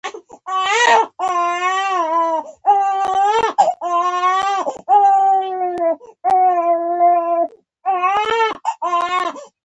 دا ښیي چې په طبیعت کې یو ژوندی موجود بل ژوندی موجود خوري